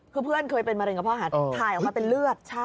คือเพื่อนเคยเป็นมะเร็งกระเพาะหัดถ่ายออกมาเป็นเลือด